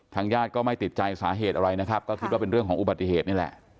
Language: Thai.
ญาติก็ไม่ติดใจสาเหตุอะไรนะครับก็คิดว่าเป็นเรื่องของอุบัติเหตุนี่แหละ